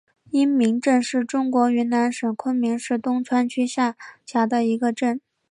因民镇是中国云南省昆明市东川区下辖的一个镇。